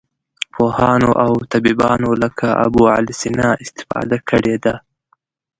پوهانو او طبیبانو لکه ابوعلي سینا استفاده کړې ده.